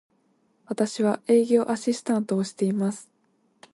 私は、営業アシスタントをしています。